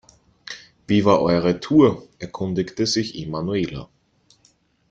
Wie war eure Tour?, erkundigte sich Emanuela.